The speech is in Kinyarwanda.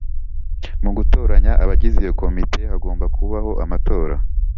Mu gutoranya abagize iyo Komite hagomba kubaho amatora